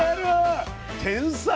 天才！